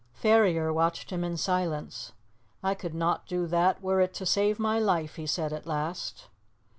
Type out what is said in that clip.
Ferrier watched him in silence. "I could not do that were it to save my life," he said at last.